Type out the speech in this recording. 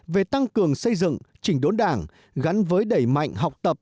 về tăng cường xây dựng chỉnh đốn đảng gắn với đẩy mạnh học tập